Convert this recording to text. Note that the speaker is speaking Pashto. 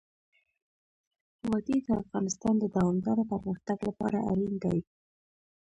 وادي د افغانستان د دوامداره پرمختګ لپاره اړین دي.